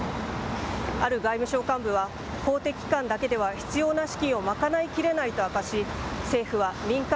ある外務省幹部は、公的機関だけでは必要な資金を賄いきれないと明かし、政府は民間